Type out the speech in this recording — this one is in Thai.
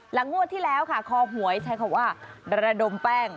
งวดที่แล้วค่ะคอหวยใช้คำว่าระดมแป้ง